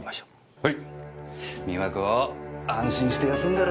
はい。